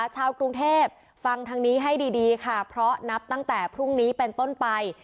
ชาวกรุงเทพฟังทางนี้ให้ดีค่ะเพราะนับตั้งแต่พรุ่งนี้เป็นต้นไป